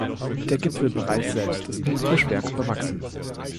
Der Gipfelbereich selbst ist mit Buschwerk bewachsen.